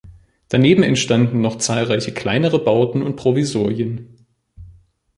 Daneben entstanden noch zahlreiche kleinere Bauten und Provisorien.